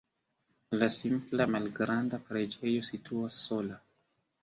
La simpla malgranda preĝejo situas sola.